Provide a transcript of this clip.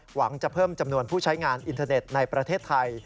หวังจะเพิ่มจำนวนผู้ใช้งานอินเทอร์เน็ตในประเทศไทย